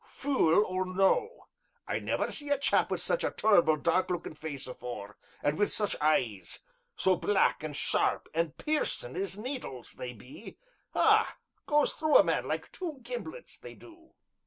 "Fule or no I never see a chap wi' such a tur'ble dark lookin' face afore, an' wi' such eyes so black, an' sharp, an' piercin' as needles, they be ah! goes through a man like two gimblets, they do!"